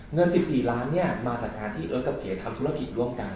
เงิน๑๔ล้านมาจากงานที่เอิร์ทกับเก๋ทำธุรกิจร่วมกัน